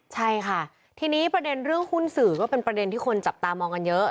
ใช่ค่ะทีนี้ประเด็นเรื่องหุ้นสื่อก็เป็นประเด็นที่คนจับตามองกันเยอะ